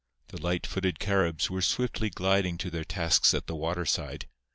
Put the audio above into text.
The light footed Caribs were swiftly gliding to their tasks at the waterside.